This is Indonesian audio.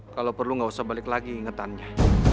kalau perlu nggak usah balik lagi ingetannya